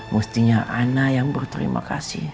mestinya ana yang berterima kasih